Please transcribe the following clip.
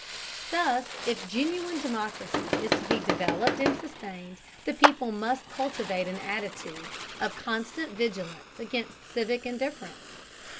Thus if genuine democracy is to be developed and sustained, the people must cultivate an attitude of constant vigilance against civic indifference.